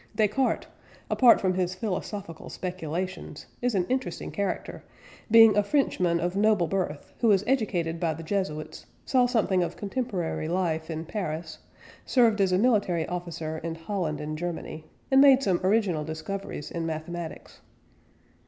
Descartes, apart from his philosophical speculations, is an interesting character, being a Frenchman of noble birth who was educated by the Jesuits, saw something of contemporary life in Paris, served as a military officer in Holland and Germany, and made some original discoveries in mathematics.